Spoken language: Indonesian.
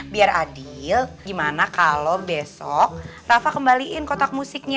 biar adil gimana kalau besok rafa kembaliin kotak musiknya